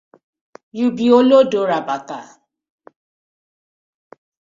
Yu bi olodo rabata.